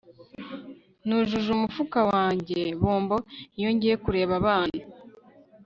Nujuje umufuka wanjye bombo iyo ngiye kureba abana